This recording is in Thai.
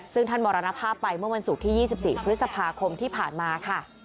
ซึ่งท่านมรณภาพไปเมื่อวันศุกร์ที่๒๔พฤษภาคมที่ผ่านมาค่ะ